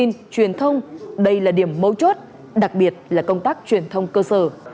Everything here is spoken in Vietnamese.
thông tin truyền thông đây là điểm mấu chốt đặc biệt là công tác truyền thông cơ sở